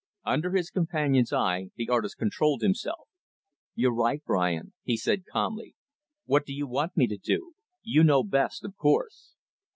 Under his companion's eye, the artist controlled himself. "You're right, Brian," he said calmly. "What do you want me to do? You know best, of course."